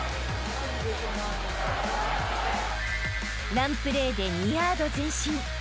［ランプレーで２ヤード前進］